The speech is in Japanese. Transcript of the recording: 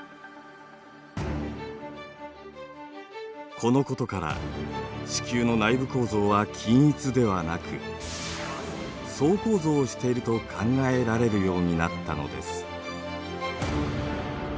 このことから地球の内部構造は均一ではなく層構造をしていると考えられるようになったのです。